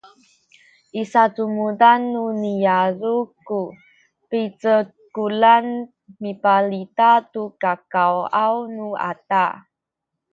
i sacumudan nu niyazu’ ku picekulan mipalita tu kakawaw nu ada